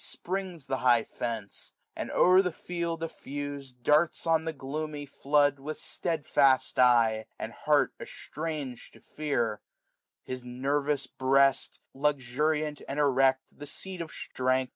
Springs the high fence ; and, o'er the field eflfus'd. Darts on the gloomy flood, with stedfiist eye, 510 And heart estranged to kaa : his nervous chesty 8UMME IL Luxuriant) and erect, the seat of strength.